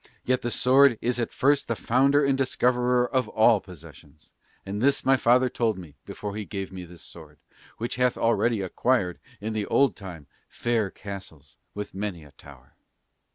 Yet the sword is at first the founder and discoverer of all possessions; and this my father told me before he gave me this sword, which hath already acquired in the old time fair castles with many a tower."